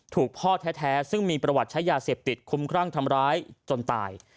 พ่อแท้ซึ่งมีประวัติใช้ยาเสพติดคุ้มครั่งทำร้ายจนตาย